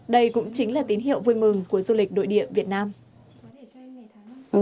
đây cũng chính là tín hiệu vui mừng của du lịch nội địa việt nam